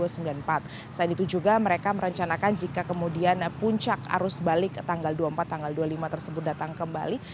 selain itu juga mereka merencanakan jika kemudian puncak arus balik tanggal dua puluh empat tanggal dua puluh lima tersebut datang kembali